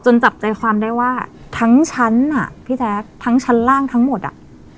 จับใจความได้ว่าทั้งชั้นอ่ะพี่แจ๊คทั้งชั้นล่างทั้งหมดอ่ะ